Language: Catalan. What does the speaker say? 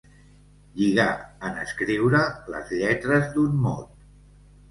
Lligar, en escriure, les lletres d'un mot.